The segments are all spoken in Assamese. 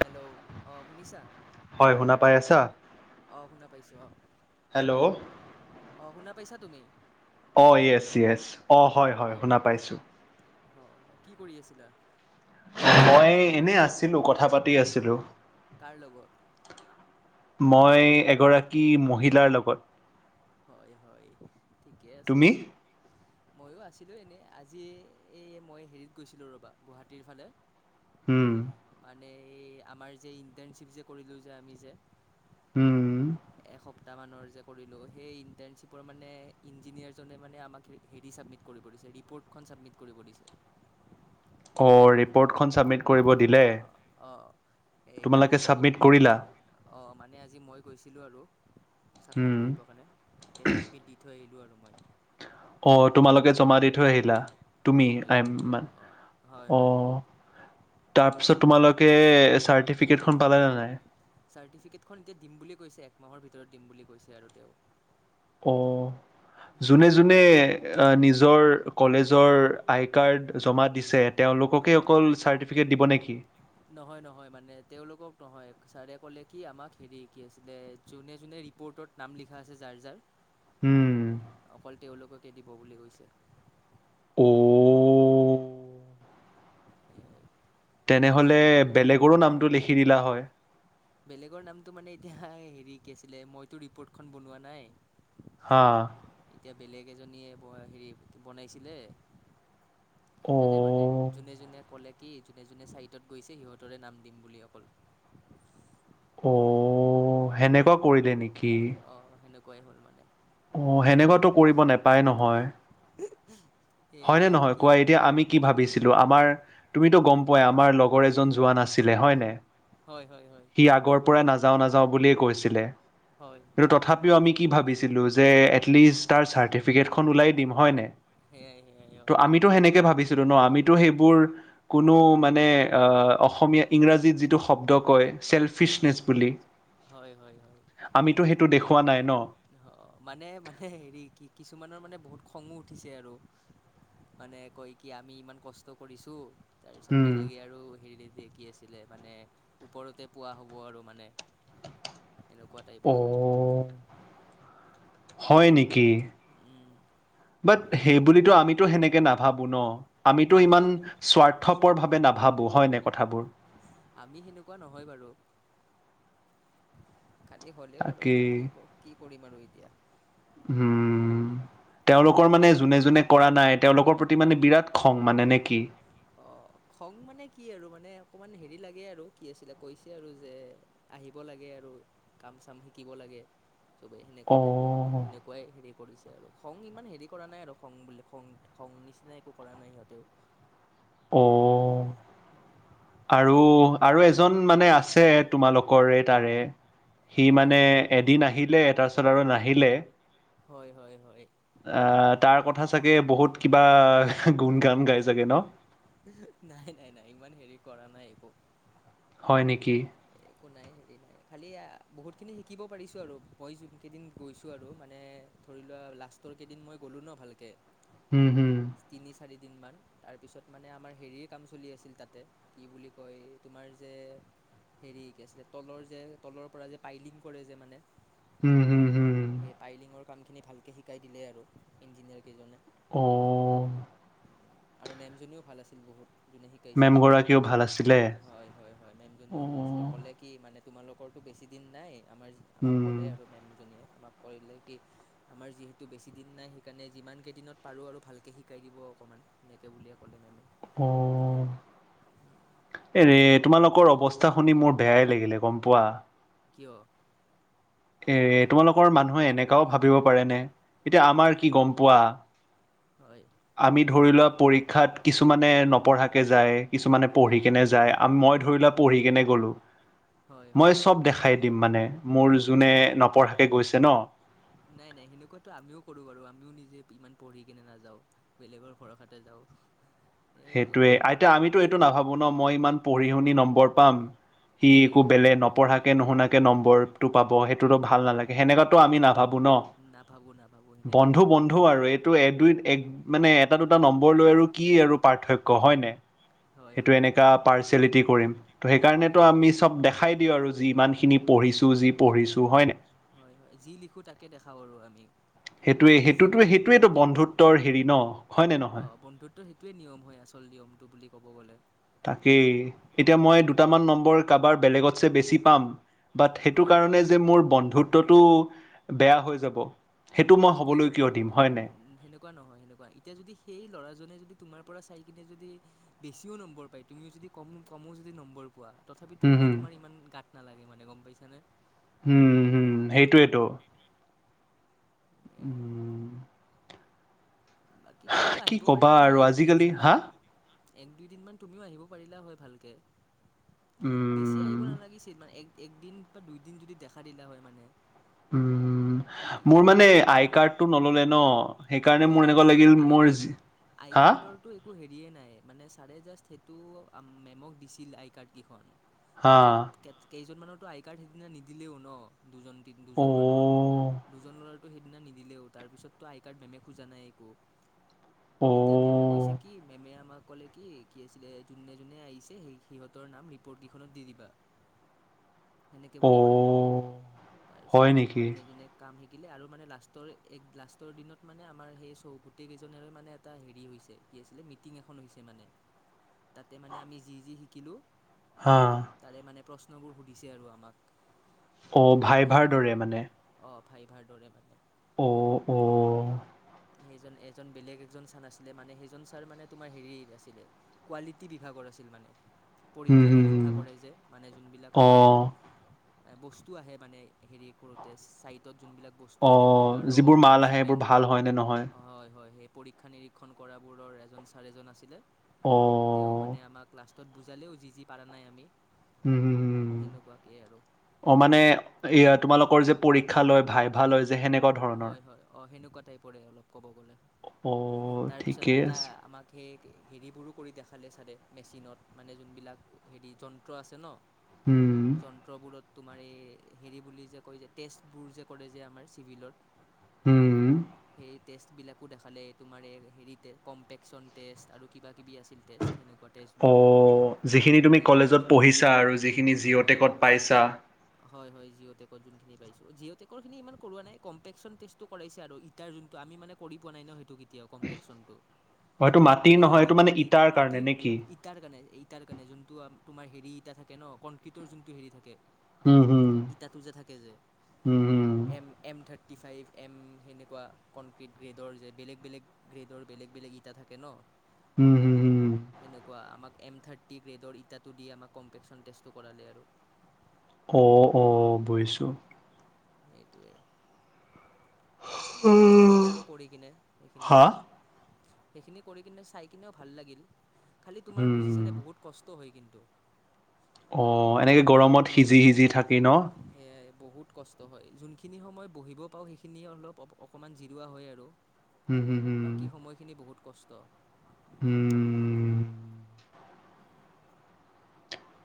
হেল্ল' অহ শুনিছা হয় শুনা পাই অহ শুনা পাইছো অ হেল্ল' পাইছা তুমি অ য়েছ য়েছ অ হয় হয় শুনা পাইছো অ কি কৰি আছিলা মই এনে আছিলো কথা পাতি আছিলো কাৰ লগত মই এগৰাকী মহিলাৰ লগত হয় হয় ঠিকে আছে তুমি? বাৰু ময়ো আছিলো এনেই আজি এই মই হেৰিত গৈছিলো ৰবা গুৱাহাটীৰ ফালে হুম মানে এই আমাৰ যে ইণ্টাৰ্ণশ্বিপ যে কৰিলোঁ যে আমি যে উম সপ্তাহমানৰ যে কৰিলোঁ সেই ইণ্টাৰ্ণশ্বিপৰ মানে ইঞ্জিনিয়াৰজনে মানে আমাক হেৰি চাবমিট কৰিছে ৰিপৰ্টখন চাবমিট কৰিছে ব দিছে অঁ ৰিপ'ৰ্টখন ছাবমিট কৰিব দিলে অ এই তোমালোকে তাকে ছাবমিট কৰিলা? অ মানে মানে আজি মই গৈছিলোঁ আৰু ছাবমিট উম কৰিবৰ কাৰণে তাকে ছাবমিট দি থৈ আহিলোঁ আৰু মই অ তোমালোকে জমা দি থৈ আহিলা তুমি হয় হয় আই এম মান অঁ হয় অ হয় হয় তাক তাৰপিছত তোমালোকে চাৰটিফিকেট খন পালা নে নাই চাৰ্টিফিকেটখন এতিয়া দিম বুলি কৈছে একমাহৰ ভিতৰত দিম বুলি কৈছে আৰু তেওঁ অ উম, যোনে যোনে নিজৰ কলেজৰ আই কাৰ্ড জমা দিছে তেওঁলোককে হয় অকল চাৰ্টিফিকেট দিব নেকি নহয় নহয় মানে তেওঁলোকক নহয় ছাৰে ক'লে কি আমাক হেৰি কি আছিলে যোনে যোনে ৰিপ'ৰ্টত নাম লিখা আছে যাৰ যাৰ উম, অকল তেওঁলোককে দিব বুলি কৈছে অ মানে তেনেহলে যোনে বেলেগৰো নামটো লিখি দিলা হয় বেলেগৰ নামটো মানে এতিয়া হেৰি কি আছিলে মইতো ৰিপৰ্টখন বনোৱা নাই হা এ বেলেগ এজনীয়ে ব হেৰি বনাইছিলে সেইকাৰণে মানে অ' যোনে যোনে কলে কি যোনে যোনে ছাইডত গৈছে সিহঁতৰে নাম দিম বুলি অকল অ সেনেকুৱা কৰিলে নিকি কুৱাই হ'ল মানে অ সেনেকুৱাতো কৰিব নাপায় নহয় হয় সেয়াইতো নে আৰু নহয় কি কোৱা এতিয়া আমি কি ভাবিছিলো আমাৰ তুমিতো গম পোৱাই আমাৰ লগৰ এজন যোৱা নাছিলে হয় নাই হয় হয় হয় সি আগৰ পৰাই নাযাওঁ নাযাওঁ বুলিয়েই কৈছিলে হয় কিন্তু তথাপিও আমি কি ভাবিছিলো যে এত লিষ্ট তাৰ চাৰ্টিফিকেটখন ওলাই দিম হয় নাই? সেয়াই সেয়াই অঁ ত' আমিতো সেনেকে ভাবিছিলো ন, আমিতো সেইবোৰ কোনো মান নে অ', অসমীয়া ইংৰাজীত যিটো শব্দ কয়, চেলফিচনেছ বুলি হয় হয় আমিতো সেইটো দেখুওৱা নাই ন অ, মানে, মানে, হেৰি, কি কিছুমানৰ মানে বহুত খঙো উঠিছে আৰু, মানে কয় কি আমি ইমান কষ্ট কৰিছোঁ তাৰপিছত উম। বেলেগে আৰু হেৰি [unintelligible] ‌ কি আছিলে, মানে ওপৰতে পোৱা হ'ব আৰু মানে এনেকুৱা টাইপৰ অ', হয় নেকি? বাত, সেইবুলিতো আমিতো সেনেকে নাভাবো ন! আমিতো আমি ইমান স্বাৰ্থপৰভাৱে নাভাবোঁ হয় নাই কথাবোৰ? আমি সেনেকুৱা নহয় বাৰু! খালি হ'লেও আৰু তাকেই কি কি কৰিম আৰু এতিয়া উম তেওঁলোকৰ মানে জোনে জোনে কৰা নাই, তেওঁলোকৰ প্ৰতি মানে বিৰাট খং মানে নে কি? অ' খং মানে কি আৰু মানে অকমান হেৰি লাগে আৰু, কি আছিলে, কৈছে আৰু যে আহিব লাগে আৰু আৰু কাম চাম শিকিব লাগে চবেই সেনেকুৱা টাইপ সেই অ', সেনেকুৱাই হেৰি কৰিছে আৰু খং ইমান হেৰি কৰা নাই আৰু, খং বুলি খং, খং, নিচিনা একো কৰা নাই সিহঁতেও অ' আৰু, আৰু এজন মানে আছে তোমালোকৰে তাৰে সি হয় মানে এদিন আহিলে তাৰপিছত আৰু নাহিলে হয় হয় হয় আহ তাৰ কথা চাগে বহুত কিবা গুণ গান গাই চাগে ন নাই নাই নাই ইমান হেৰি কৰা নাই একো হয় নিকি একো নাই হেৰি নাই খালী বহুতখিনি শিকিব পাৰিছোঁ আৰু মই যোনকেইদিন গৈছোঁ আৰু মানে ধৰি লোৱা লাষ্টৰ কেইদিন মই গ'লো ন ভালকে উম, হুম। তিনি চাৰি দিনমান তাৰপিছত মানে আমাৰ হেৰিয় কাম চলি আছিল তাতে কি বুলি কয় তোমাৰ যে হেৰি কি আছিলে তলৰ যে তলৰ পৰা যে পাইলিং কৰে যে মানে উম, হুম। এই পাইলিঙৰ কাম খিনি ভালকে শিকাই দিলে আৰু ইঞ্জিনিয়াৰ কেইজনে অ', আৰু মেমজনীও ভাল আছিল বহুত শিকাইছিল মেম গৰাকীও ভাল আছিলে হয় ম অ ভাল আছিলে কলে কি মানে তোমালোকৰতো বেছি দিন নাই আমাৰ আমাক উম ক'লে আৰু মেমজনীয়ে আমাক কৰিলে কি আমাৰ যিহেতু বেছি দিন নাই সেইকাৰণে যিমানকেইদিনত পাৰোঁ আৰু ভালকৈ শিকাই দিব অকণমান এনেকে বুলিয় কলে নমে অ', এৰে তোমালোকৰ অৱস্থা শুনি মোৰ বেয়াই লাগিলে গম পোৱা হুম এ তোমালোকৰ মানুহে এনেককাও ভাবিব পাৰেনে এতিয়া আমাৰ কি গম পোৱা হয় আমি ধৰি লোৱা পৰীক্ষাত কিছুমানে নপঢ়াকে যায় কিছুমানে পঢ়ি হয় কেনে হয় যায় মই ধৰি লোৱা পঢ়ি কেনে গ'লো হয় মই হয় চব দেখাই দি মানে ম হয় নপঢ়াকে গৈছে ন নাই নাই সেনেকুৱাতো আমিও কৰোঁ বাৰু আমিও নিজে ইমান পঢ়ি কেনে নাযাওঁ বেলেগৰ ভৰষাতে যাওঁ সেইটো সেইটোৱে আৰু আইতয়া আমিতো কি এইটো ক'বা নাভাবো ন মই ইমান পঢ়ি শুনি নম্বৰ পাম সি একো সেয়াই বেলেগ নপঢ়াকে নুশুনাকে নম্বৰটো পাব সেইটোতো ভাল নালাগে সেনেকুৱাতো আমি নাভাবো ন নাভাবোঁ নাভাবোঁ সেনেকৈ বন্ধু, আমি বন্ধু নাভাবোঁ একো আৰু এইটো এক দুই এক মানে এটা দুটা নম্বৰ লৈ আৰু কি আৰু ্য [unintelligible] হয়নে হয় সেইটো হয় এনেককা হয় পাৰ্চেলিটি কৰিম ত' সেইকাৰণেতো সেয়াই আমি চব দেখাই দিওঁ আৰু যি ইমান খিনি পঢ়িছো যি পঢ়িছো হয় নাই হয়, হয় যি লিখো তাকে দেখা পাৰো আমি সেইটোৱে, আমি যি সেইটোতে কপিত সেইটোইটো কপিত বন্ধুত্বৰ হেৰি ন হয়নে নহয় বন্ধুত্বৰ সেইটোৱে [unintelligible] নিয়মটো বুলি ক'ব গ'লে তাকেই এতিয়া মই দুটামান নম্বৰ কাৰোবাৰ বেলেগতছে বেছি পাম বাট সেইটো হয় কাৰণে যে মোৰ বন্ধুত্বটো বেয়া হৈ যাব সেইটো মই আৰু হ'বলৈ সেইবোৰ উ কিয় দিম হয় নাই সেনেকুৱা নহয় সেনেকুৱা এতিয়া যদি সেই ল'ৰাজনে যদি তোমাৰ পৰা চাই কিনে যদি বেছিও নম্বৰ পায় তুমিও যদি কম কমও যদি নম্বৰ পোৱা তথাপিতো হুম মানে হুম তোমাৰ ইমান গাত নালাগে মানে গম পাইছানে হম, হম সেইটোৱেতো উম বাকী তুমিও আহিব ক'বা পাৰিলা আৰু হয় এক আজিকালি দুইদিন হা মমান এক দুইদিনমান তুমিও আহিব পাৰিলা হয় ভালকে বেছি আহিব উম নালাগিছিল ইমান এক একদিন বা দুইদিন যদি দেখা দিলা হয় মানে উ, মোৰ তেতিয়া তোমাৰ মানে নামটো আই কাৰ্ড টো নললে ন সেইকাৰণে আৰে মোৰ আই এনেকুৱা লাগ কাৰ্ডৰ আই কাৰ্ড আই কাৰ্ডৰটো একো হেৰিয়ে নাই মানে চাৰে মেম দিছিল কেইখন হা তাৰপিছত কেইজনমানৰ আই কাৰ্ড সিদিনা নিদিলেও ন দুজন তি দুজন মৰ অ' দুজননৰ সেইদিনা নিদিলেও তাৰ পিছতো আই কাৰ্ড মেমে খোজা নাই একো এতিয়া মেমে কৈছে অ' কি মেমে আমাক ক'লে কি, কি আছিলে যোনে, যোনে আহিছে স সিহঁতৰ নাম ৰিপৰ্ট কেইখনত দি দিবা সেনেকে বুলি ক'লে মেমে অ' হয় তাৰপিছত নেকি যোনে যোনে কাম দিলে আৰু মানে লাষ্টৰ এক লাষ্টৰ দিনত মানে আমাৰ সেই। গোটেই কেইজনেৰে মানে এটা হেৰি হৈছে কি আছিলে মিটিং এখন হৈছে মানে। তাতে মানে আমি যি যি শিকিলোঁ। হা তাৰে মানে প্ৰশ্নবোৰ সুধিছে আৰু আমাক। অ ভাইভাৰ দৰে সেইকেইদিনত মানে। অঁ ভাইভাৰ দৰে মানে। অ অ। সেইজন এজন বেলেগ এজন ছাৰ আছিলে মানে সেইজন ছাৰ মানে তোমাৰ হেৰি আছিলে কোৱালিটি বিভাগৰ। [unintelligible] হুম পৰীক্ষা হুম হুম নিৰীক্ষা কৰে যে মানে যোনবিলাক আমাৰ। অ' এ বস্তু আহে মানে হেৰি কৰোতে চাইডত। যোনবিলাক বস্তু আহে ধৰি লোৱা ৰ'দ হওঁক চিমেণ্ট হওক। হয়নে নহয়। হয় হয় সেই পৰীক্ষা নিৰীক্ষণ কৰাবোৰৰ এজন ছাৰ এজন আছিলে তেওঁ অ' মানে আমাক লাষ্ট। ত বুজালেও যি যি পৰা নাই আমি। উমম হম সেনেকুৱাকে আৰু অ মানে এয়া তোমালোকৰ যে পৰি। ক্ষা লয় ভাইভা লয় যে সেনেকুৱা ধৰণৰ। কটাই পৰে অলপ ক'ব গ'লে অ' তাৰপিছত ঠিকেই এটা আছে আমাক সেই। হেৰিবোৰো কৰি দেখালে চাৰে মেচিনত মানে যোনবিলাক হেৰি যন্ত্ৰ আছে উম, নহ। যন্ত্ৰবোৰত। তোমাৰ এই হেৰি বুলি যে কয় যে টেষ্টবোৰ যে কৰে যে আমাৰ চিভিলৰ। হম। টেষ্ট বিলাকো দেখালে তুমাৰ হেৰি কম্পেকচন টেষ্ট আৰু কিবা। কিবি আছিল টেষ্ট সেনেকুৱা টেষ্টবোৰ। যিখিন তুমি কৰি কিনে কলেজত দেখালে পঢ়িছা আৰু যিখিনি জি'অ হয় টেকত হয় পাইছা। হয় হয় জি'অ টেকৰ যোনখিনি পাইছো জি'অ টেকৰ খিনি ইমান কৰোৱা নাই। কম্পেকচন টেষ্টটো কৰাইছে আৰু ইটাৰ যোনটো আমি মানে কৰি পোৱা নাই নহ সেইটো কেতিয়াও কম্পেকচনটো। অ', এইটো মাটিৰ মানে নহয় এইটো যোনটো ইতি ইটাৰ কাৰণে মাটিৰ নে কি? ইটাৰ কাৰণে ইটাৰ কাৰণে যোনটো। তোমাৰ হেৰি ইটা থাকে নহ কনক্ৰিটৰ যোনটো হেৰি থাকে। হম হম ইটাটো যে থাকে যে হম হম। M M thirty five M সেনেকুৱা কনক্ৰিট গ্ৰেডৰ যে বেলেগ বেলেগ গ্ৰেডৰ বেলেগ বেলেগ ইটা থাকে নহ। উম, হুম, হুম। এনেকুৱা আমাক। এম থাৰ্টি গ্ৰেডৰ ইটাটো দি আমাক কম্পেকশ্যন টেষ্টটো কৰালে আৰু। অ অ বুইছোঁ। সেইটোৱে। ভালে লাগিল আৰু কৰি কিনে সেইখিনিও। হা? সেইখিনি কৰি কিনে চাই কিনেও ভাল লাগিল খালি তোমাৰ হুম। বুজিছানে বহুত কষ্ট হয় কিন। তু। অ এনেকে গৰমত সিজি সিজি থাকি নহ। এ বহুত কষ্ট হয় যোনখিনি সময় বহিব পাওঁ সেইখিনিয় অলপ অকণমান জিৰোৱা হয় আৰু। হুম, হুম, বাকী সময়খিনি বহুত কষ্ট। হম।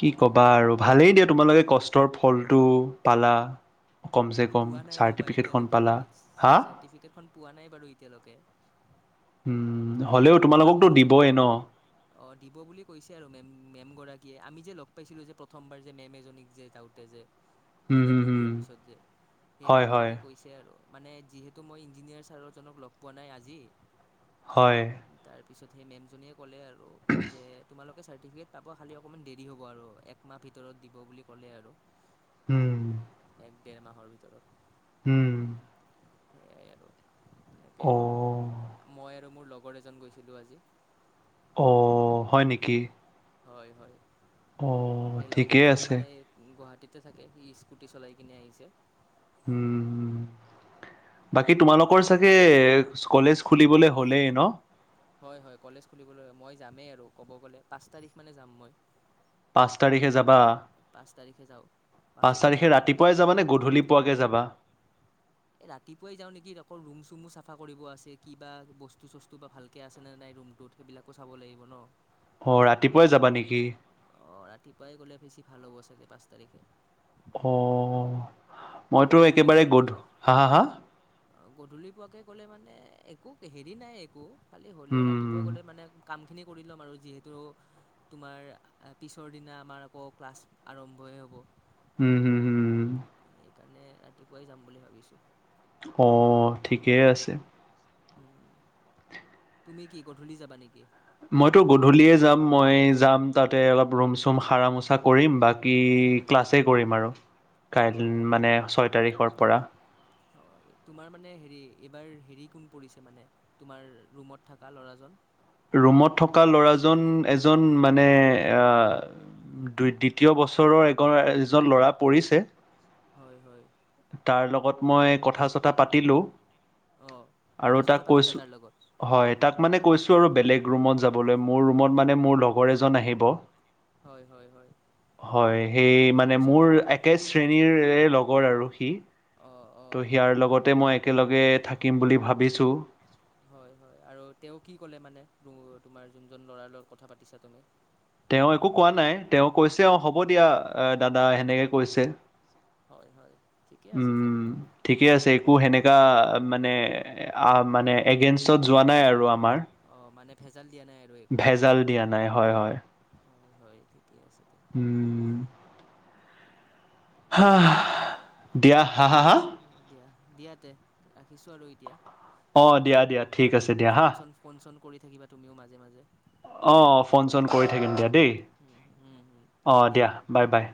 কি কবা আৰু ভালেই দিয়া তোমালোকে কষ্টৰ ফলটো পালা। কমচে কম পোৱা নাই ৰ'বা চাৰ্টিফিকেটখন এতিয়ালৈকে পালা। হা? চাৰ্টিফিকেটখন পোৱা নাই বাৰু এতিয়ালৈকে। উম, খালি হ'লেও পাম তোমালোককতো বুলি দিবই ন? অ দিব বুলি কৈছে আৰু মেম। মেম গৰাকীয়ে আমি যে লগ পাইছিলোঁ যে প্ৰথমবাৰ যে মেম এজনীক যে যাওঁতে যে। P um, hmm, W D হুম। অফিচত যে সেই হয়, হয়, মেমজনীয়ে কৈছে আৰু। মানে যিহেতু মই ইঞ্জিনিয়াৰ ছাৰজনক লগ পোৱা নাই আজি। হয়। পিছত সেই মেমজনীয়ে ক'লে আৰু যে তোমালক। চাৰ্টিফিকেট পাব খালি অকমান দেৰি হ'ব আৰু একমাহ ভিতৰত দিব বুলি ক'লে আৰু। উম ডেৰ মাহৰ ভিতৰত উম তাকেই ক'লোঁ অ', মই আৰু মোৰ লগৰ এজন গৈছিলোঁ আজি অ হয় নিকি হয় হয় অ ঠিকেই আছে তাতে থাকে সি স্কুটি চলাই কিনে আহিছে উম হম বাকী তোমালোকৰ চাগে কলেজ খুলিবলে হ'লেই ন হয় হয় কলেজ খুলিবলৈ মই যামেই আৰু ক'ব গ'লে পাঁচ তাৰিখ মানে যাম মই পাঁচ তাৰিখে যাবা পাঁচ তাৰিখে যাওঁ পাঁচ বাছতে তাৰিখে যাওঁ নেকি ৰাতিপুৱাই যাবা নে গধূলি পোৱাকে যাবা এ ৰাতিপুৱাই যাওঁ নিকি অকল ৰুম চোমো চাফা কৰিব আছে কিবা বস্তু চস্তু বা ভালকে আছে নে নাই ৰুমটোত সেইবিলাকো চাব লাগিব ন অ ৰাতিপুৱাই যাবা নিকি অ ৰাতিপুৱাই গ'লে বেছি ভাল হ'ব চাগে পাঁচ তাৰিখে অ' মইতো গধূলি একেবাৰে পোৱাকে গধূ হা-হা-হা গধূলি পোৱাকৈ ক'লে মানে একো হেৰি নাই একো খালি হ'লেও উম, ৰাতিপুৱা গ'লে মানে কাম খিনি কৰি ল'ম আৰু যিহেতু তোমাৰ পিছৰ দিনা আমাৰ আকৌ ক্লাছ আৰম্ভই হ'ব। উম হুম-হুম। সেইকাৰণে ৰাতিপুৱাই যাম বুলি ভাবিছোঁ। অ' ঠিকেই আছে। উম, তুমি কি গধূলি যাবা নেকি? মইতো গধূলিয়ে যাম মই যাম তাতে অলপ ৰুম চুম সাৰা মোচা কৰিম বাকী বাকী হয় ক্লাছে কৰিম আৰু কাইলৈ হয় মানে ছয় তাৰিখৰ পৰা। অ' তোমাৰ মানে হেৰি এইবাৰ হেৰি কোন পৰিছে মানে তোমাৰ ৰুমত থকা ল'ৰাজন। ৰুমত থকা ল'ৰাজন এজন মানে অ' দুই দ্বিতীয় বছৰৰ এগন এজন ল'ৰা পৰিছে হয় হয় তাৰ লগত মই সি কথা চতা পাতিলোঁ অঁ কথা আৰু তাক চথা পাতিলা কৈছোঁ, তাৰ লগত হয় তাক মানে কৈছোঁ আৰু বেলেগ ৰুমত যাবলৈ মোৰ ৰুমত মানে মোৰ লগৰ এজন আহিব। হয় হয় হয় হয় সেই মানে তাৰপিছত মোৰ একে শ্ৰেণীৰে লগৰ আৰু সি অঁ অঁ ত অঁ সিয়াৰ লগতে মই একেলগে থাকিম বুলি ভাবিছোঁ। হয়-হয় আৰু তেওঁ কি ক'লে মানে তোমাৰ জোনজন ল'ৰাৰ লগত কথা পাতিছা তুমি তেওঁ একো কোৱা নাই তেওঁ কৈছে অ' হ'ব দিয়া এ দাদা এনেকে কৈছে। হয় হয় ঠিকে আছে তে উম ঠিকে আছে একো সেনেকা মানে আ, মানে‌ এগেইনষ্টত যোৱা নাই আৰু আ মাৰ, অঁ মানে ভেজাল দিয়া নাই আৰু একো ভেজাল দিয়া নাই হয়, হয়। হয়, হয়, ঠিকে আছে। তে উম। হা, দিয়া তে দিয়া হা-হা-হা দিয়াতে ৰাখিছোঁ আৰু এতিয়া। অ', দিয়া, দিয়া। ঠিক আছে দিয়া হা। ফোন চোন, ফোন চোন, কৰি থাকিবা তুমিও মাজে, মাজে। অ ফোন চোন কৰি থাকিম দিয়া। দেই। অ', দিয়া বাই, বাই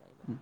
বাই বাই উম।